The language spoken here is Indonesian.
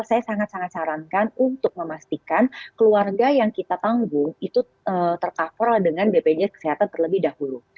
saya sangat sangat sarankan untuk memastikan keluarga yang kita tanggung itu tercover dengan bpjs kesehatan terlebih dahulu